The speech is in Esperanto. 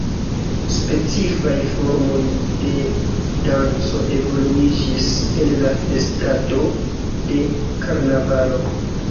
Specifaj formoj de danco evoluiĝis el la festado de karnavalo.